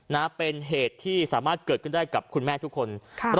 นะเป็นเหตุที่สามารถเกิดขึ้นได้กับคุณแม่ทุกคนค่ะ